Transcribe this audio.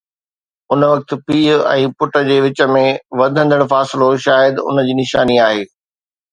ان وقت پيءُ ۽ پٽ جي وچ ۾ وڌندڙ فاصلو شايد ان جي نشاني آهي.